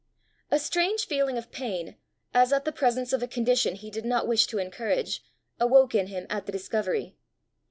A strange feeling of pain, as at the presence of a condition he did not wish to encourage, awoke in him at the discovery.